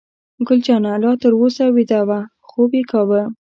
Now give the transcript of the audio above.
ګل جانه لا تر اوسه ویده وه، خوب یې کاوه.